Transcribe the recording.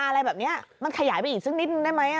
อะไรแบบนี้มันขยายไปอีกสักนิดนึงได้ไหม